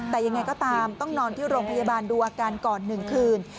แต่ยังไงก็ตามต้องนอนที่โรงพยาบาลดูอาการก่อน๑คืน